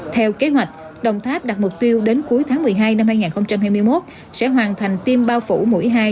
theo kế hoạch đồng tháp đặt mục tiêu đến cuối tháng một mươi hai năm hai nghìn hai mươi một sẽ hoàn thành tiêm bao phủ mũi hai